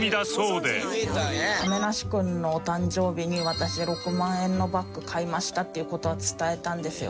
亀梨君のお誕生日に私６万円のバッグ買いましたっていう事は伝えたんですよ。